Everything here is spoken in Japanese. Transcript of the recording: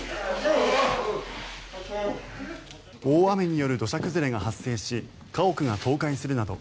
大雨による土砂崩れが発生し家屋が倒壊するなど